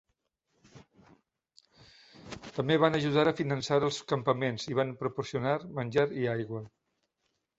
També van ajudar a finançar els campaments i van proporcionar menjar i aigua.